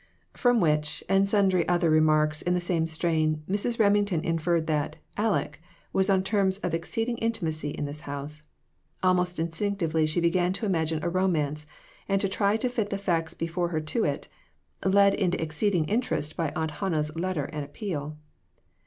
From which, and sundry other remarks in the same strain, Mrs. Remington inferred that ," Aleck" was on terms of exceeding intimacy in this house. Almost instinctively she began to imagine a romance, and to try to fit the facts before her to it, led into exceeding interest by Aunt Hannah's letter and appeal.